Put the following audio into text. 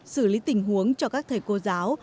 xử lý tình huống cho các thầy cô giáo